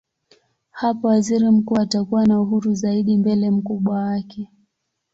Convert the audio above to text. Hapo waziri mkuu atakuwa na uhuru zaidi mbele mkubwa wake.